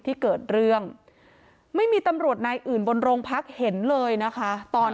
ที่เกิดเรื่องไม่มีตำรวจนายอื่นบนโรงพักเห็นเลยนะคะตอน